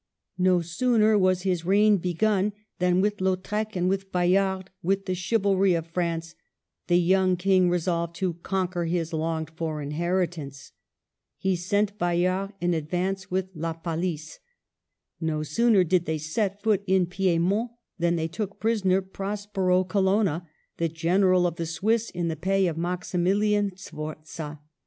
No sooner was his reign begun, than with Lautrec and with Bayard, with the chivalry of France, the young King resolved to conquer his longed for inheritance. He sent Bayard in advance with La Palice. No sooner did they set foot in Piedmont than they took prisoner Prospero Colonna, the general of the Swiss in the pay of Maximilian Sforza.